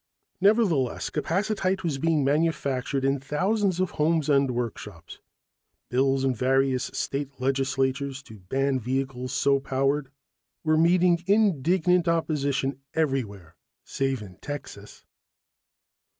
Nevertheless, capacitite was being manufactured in thousands of homes and workshops. Bills in various state legislatures to ban vehicles so powered were meeting indignant opposition everywhere save in Texas.